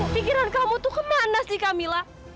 pikiran kamu tuh kemana sih camilla